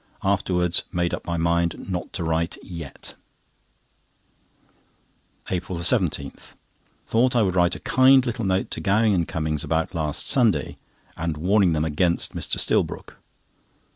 Afterwards made up my mind not to write yet. APRIL 17.—Thought I would write a kind little note to Gowing and Cummings about last Sunday, and warning them against Mr. Stillbrook.